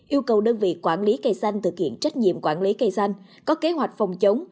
yêu cầu đơn vị quản lý cây xanh thực hiện trách nhiệm quản lý cây xanh có kế hoạch phòng chống